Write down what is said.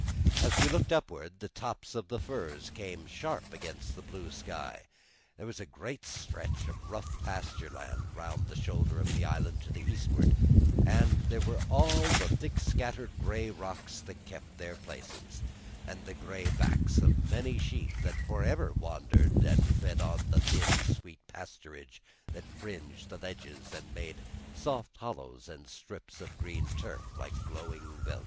As we looked upward, the tops of the firs came sharp against the blue sky. There was a great stretch of rough pasture land round the shoulder of the island to the eastward, and here were all the thick scattered gray rocks that kept their places, and the gray backs of many sheep that forever wandered and fed on the thin sweet pasturage that fringed the ledges and made soft hollows and strips of green turf like growing velvet.